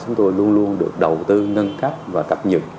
chúng tôi luôn luôn được đầu tư nâng cấp và cập nhật